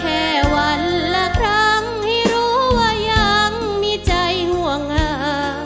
แค่วันละครั้งให้รู้ว่ายังมีใจห่วงหา